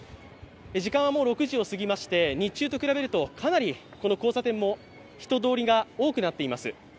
時間はもう６時を過ぎまして、日中と比べますと、かなりこの交差点も人通りが多くなっています。